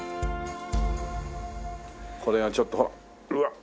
これはちょっとほらうわっ。